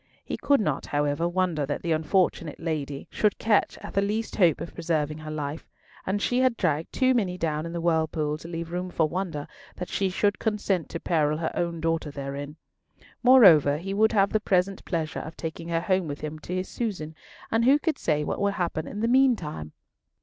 He could not, however, wonder that the unfortunate lady should catch at the least hope of preserving her life; and she had dragged too many down in the whirlpool to leave room for wonder that she should consent to peril her own daughter therein. Moreover, he would have the present pleasure of taking her home with him to his Susan, and who could say what would happen in the meantime?